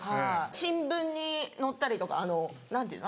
新聞に載ったりとか何ていうの？